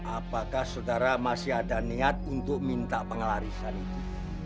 apakah saudara masih ada niat untuk minta pengelarisan itu